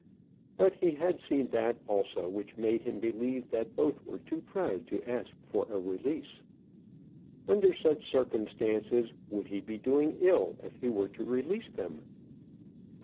But he had seen that also which made him believe that both were too proud to ask for a release. Under such circumstances, would he be doing ill if he were to release them?